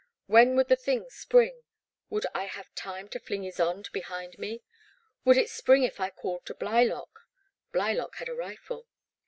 When would the thing spring ? Would I have time to fling Ysonde behind me? Would it spring if I called to Blylock? Blylock had a rifle.